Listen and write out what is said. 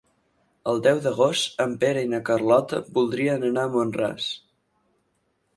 El deu d'agost en Pere i na Carlota voldrien anar a Mont-ras.